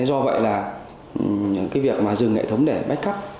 do vậy là những cái việc mà dừng hệ thống để bách cấp